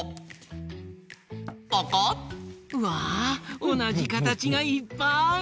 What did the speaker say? うわおなじかたちがいっぱい！